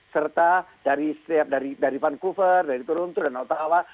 serta dari setiap dari vancouver dari toronto dan ottawa